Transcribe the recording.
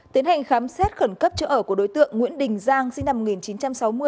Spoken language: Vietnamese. tiến hành khám xét khẩn cấp chỗ ở của đối tượng nguyễn đình giang sinh năm một nghìn chín trăm sáu mươi